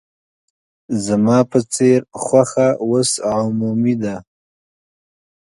زما په څېر خوښه اوس عمومي ده.